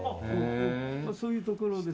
そういうところです。